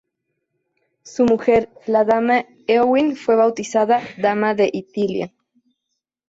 Su mujer, la dama Éowyn fue bautizada Dama de Ithilien.